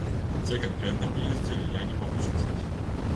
Дзе канкрэтна мы ездзілі, я не магу сказаць.